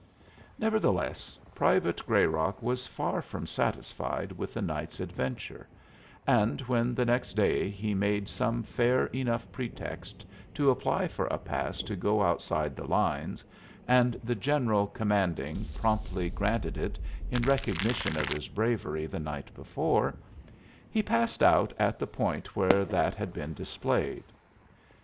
Nevertheless, Private Grayrock was far from satisfied with the night's adventure, and when the next day he made some fair enough pretext to apply for a pass to go outside the lines, and the general commanding promptly granted it in recognition of his bravery the night before, he passed out at the point where that had been displayed.